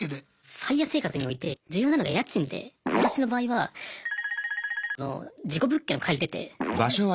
ＦＩＲＥ生活において重要なのが家賃で私の場合はの事故物件を借りてて。